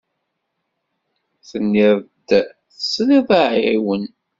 Tenniḍ-d tesriḍ aɛiwen.